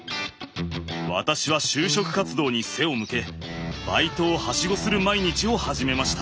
私は就職活動に背を向けバイトをはしごする毎日を始めました。